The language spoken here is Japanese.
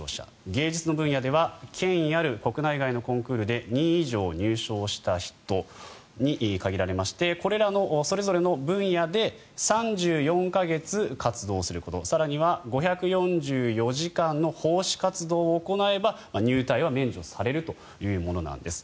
芸術の分野では権威ある国内外のコンクールで２位以上入賞した人に限られましてこれらのそれぞれの分野で３４か月活動すること更には５４４時間の奉仕活動を行えば入隊は免除されるというものなんです。